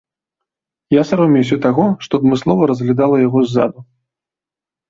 Я саромеюся таго, што адмыслова разглядала яго ззаду.